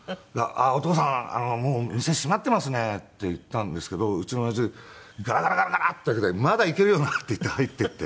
「お父さんもう店閉まっていますね」って言ったんですけどうちの親父ガラガラガラガラって開けて「まだいけるよな？」って言って入っていって。